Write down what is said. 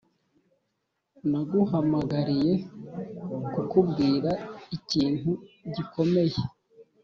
naguhamagariye kukubwira ikintu gikomeye